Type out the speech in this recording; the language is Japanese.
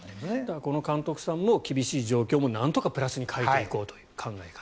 この監督さんも厳しい状況もなんとかプラスに変えていこうという考え方。